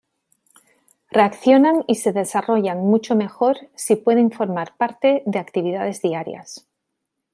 Reaccionan y se desarrollan mucho mejor si pueden formar parte de las actividades diarias.